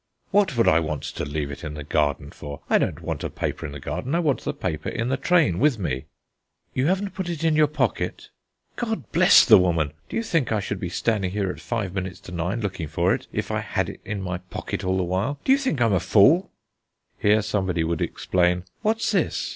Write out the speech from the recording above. "What should I want to leave it in the garden for? I don't want a paper in the garden; I want the paper in the train with me." "You haven't put it in your pocket?" "God bless the woman! Do you think I should be standing here at five minutes to nine looking for it if I had it in my pocket all the while? Do you think I'm a fool?" Here somebody would explain, "What's this?"